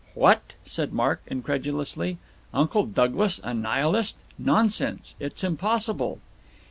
"What," said Mark incredulously, "Uncle Douglas a Nihilist? Nonsense. It's impossible."